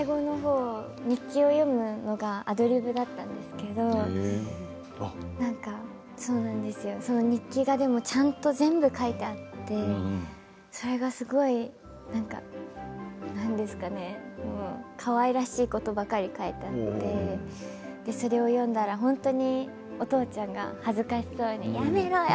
日記を読むのはアドリブだったんですけれどその日記はちゃんと全部、書いてあってそれがすごい何ですかね、かわいらしいことが書いてあってそれを読んだら本当にお父ちゃんが恥ずかしそうにやめろよ！